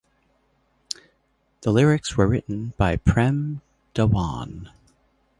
The lyrics were written by Prem Dhawan.